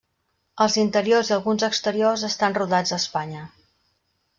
Els interiors i alguns exteriors estan rodats a Espanya.